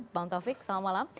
bang taufik selamat malam